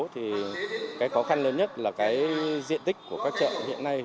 thì cái khó khăn lớn nhất là cái diện tích của các chợ hiện nay